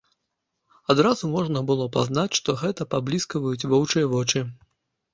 Адразу можна было пазнаць, што гэта пабліскваюць воўчыя вочы.